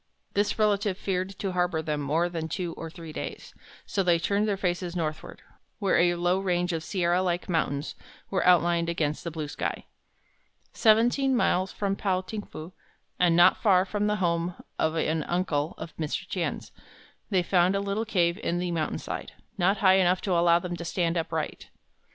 This relative feared to harbor them more than two or three days, so they turned their faces northward, where a low range of sierra like mountains was outlined against the blue sky. Seventeen miles from Pao ting fu, and not far from the home of an uncle of Mr. Tien's, they found a little cave in the mountainside, not high enough to allow them to stand upright.